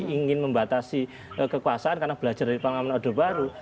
ingin membatasi kekuasaan karena belajar dari pengamatan adu baru